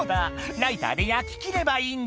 「ライターで焼き切ればいいんだ」